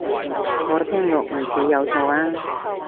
我聽落唔似有錯啊